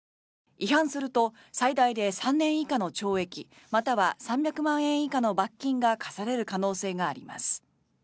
違反すると最大で３年以下の懲役または３００万円以下の罰金が科される可能性があります。